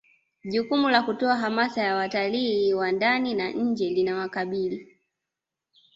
jukumu la kutoa hamasa ya watalii wa ndani na nje linawakabili